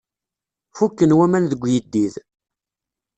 Fukken waman deg uyeddid.